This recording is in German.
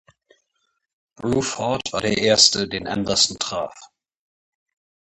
Bruford war der erste, den Anderson traf.